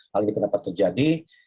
hal ini kenapa terjadi